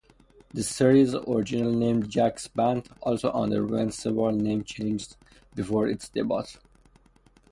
The series, originally named "Jack's Band", also underwent several name changes before its debut.